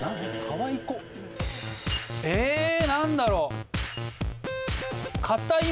え何だろう？